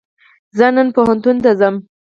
زه نن پوهنتون ته ځم